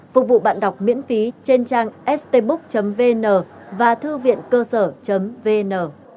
phục vụ bạn đọc miễn phí trên trang stbook vn và thư việncơ sở vn